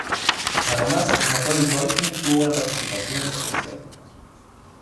Además Macaulay Culkin tuvo una participación especial.